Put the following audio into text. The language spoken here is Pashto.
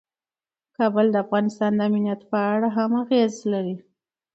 کابل د افغانستان د امنیت په اړه هم اغېز لري.